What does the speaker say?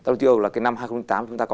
toyo là cái năm hai nghìn tám chúng ta có